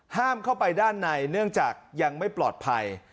ห้ามเข้าไปด้านในเนื่องจากยังไม่ปลอดภัย